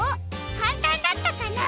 かんたんだったかな？